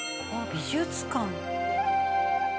「美術館」